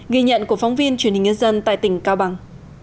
ghi nhận của phóng viên truyền hình nhân dân tại tỉnh cao bằng